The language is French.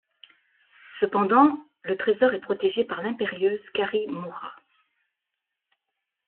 Cependant, le trésor est protégé par l'impérieuse Cari Mora.